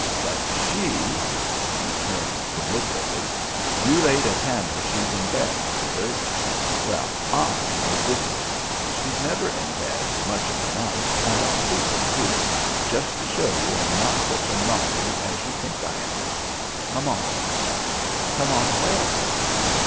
But she" he turned deliberately "you laid a tanner she's in bed, Withers; well, I know different. She's never in bed much of the night, and I'll prove it, too, just to show you I'm not such a nolly as you think I am. Come on!" "Come on where?"